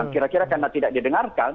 kira kira karena tidak didengarkan